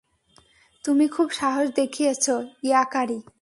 তুমি খুব সাহস দেখিয়েছ, ইয়াকারি।